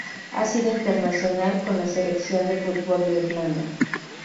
Ha sido internacional con la selección de fútbol de Irlanda.